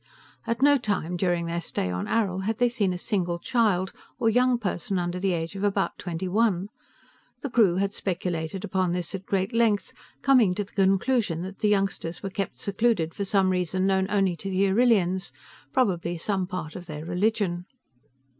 At no time, during their stay on Arrill, had they seen a single child, or young person under the age of about twenty one. The crew had speculated upon this at great length, coming to the conclusion that the youngsters were kept secluded for some reason known only to the Arrillians, probably some part of their religion.